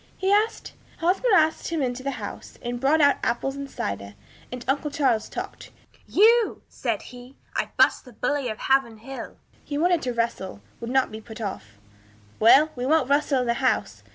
he asked. Hosmer asked him into the house, and brought out apples and cider, and uncle Charles talked. 'You!' said he, 'I burst the bully of Haverhill.' He wanted to wrestle, would not be put off. 'Well, we won't wrestle in the house.'